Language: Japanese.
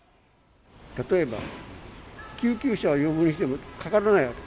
例えば救急車を呼ぶにしても、かからないわけ。